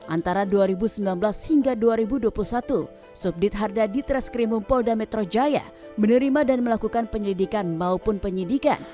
antara dua ribu sembilan belas hingga dua ribu dua puluh satu subdit harda ditreskrimum polda metro jaya menerima dan melakukan penyelidikan maupun penyidikan